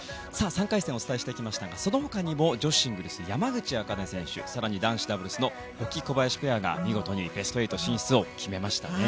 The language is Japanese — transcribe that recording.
３回戦をお伝えしていきましたがその他にも女子シングルス山口茜選手更に男子ダブルスの保木、小林ペアが見事にベスト８進出を決めました。